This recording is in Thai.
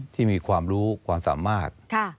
ที่มีความรู้ความสามารถ